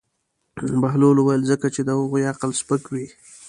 بهلول وویل: ځکه چې د هغوی عقل سپک وي.